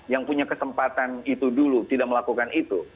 yang punya kesempatan itu dulu tidak melakukan itu